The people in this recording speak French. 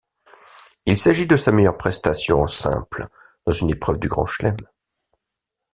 Il s'agit de sa meilleure prestation en simple dans une épreuve du Grand Chelem.